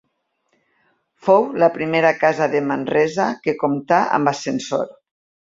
Fou la primera casa de Manresa que comptà amb ascensor.